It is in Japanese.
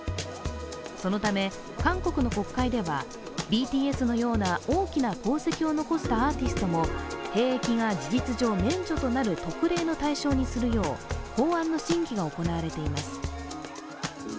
そのため、韓国の国会ではＢＴＳのような大きな功績を残したアーティストも兵役が事実上免除となる特例の対象にするよう、法案の審議が行われています。